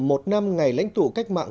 một năm ngày lãnh tụ cách mạng